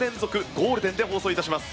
ゴールデンで放送いたします。